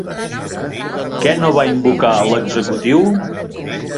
Què no va invocar l'executiu?